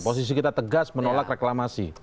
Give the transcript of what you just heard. posisi kita tegas menolak reklamasi